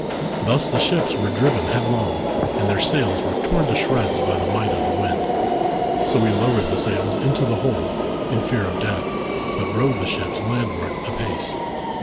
Thus the ^hips were driven headlong, and their sails were torn to shreds by the might of the wind. So we lowered the sails into the hold, in fear of death, but rowed the ships landward, apace.